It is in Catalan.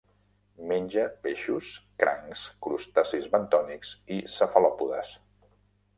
Menja peixos, crancs, crustacis bentònics i cefalòpodes.